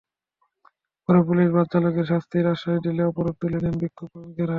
পরে police bus চালকের শাস্তির আশ্বাস দিলে অবরোধ তুলে নেন বিক্ষুব্ধ শ্রমিকেরা।